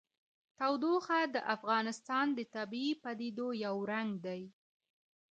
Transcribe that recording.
تودوخه د افغانستان د طبیعي پدیدو یو رنګ دی.